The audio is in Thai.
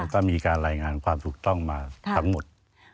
ก็มีการรายงานความถูกต้องมาทั้งหมด